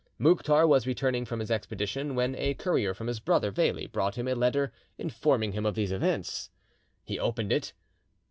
Mouktar was returning from his expedition when a courier from his brother Veli brought him a letter informing him of these events. He opened it.